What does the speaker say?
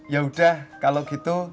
yaudah kalau gitu